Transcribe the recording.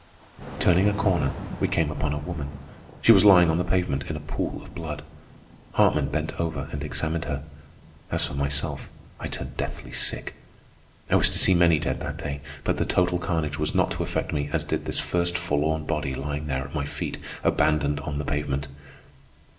Turning a corner, we came upon a woman. She was lying on the pavement, in a pool of blood. Hartman bent over and examined her. As for myself, I turned deathly sick. I was to see many dead that day, but the total carnage was not to affect me as did this first forlorn body lying there at my feet abandoned on the pavement.